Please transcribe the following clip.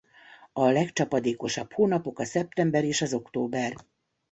A legcsapadékosabb hónapok a szeptember és az október.